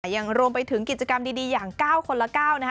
อย่างรวมไปถึงกิจกรรมดีอย่าง๙คนละ๙นะคะ